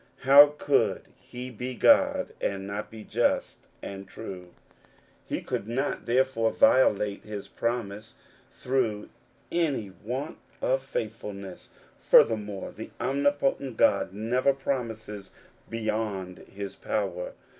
How could he be God and not be just and true? He cannot therefore violate his promise through any want of faithfulness. Furthermore, the Omnipotent God never promises beyond his power.